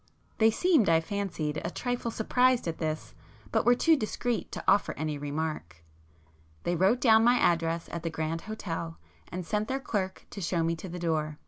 They seemed, I fancied, a trifle surprised at this, but were too discreet to offer any remark. They wrote down my address at the Grand Hotel, and sent their clerk to show me to the door.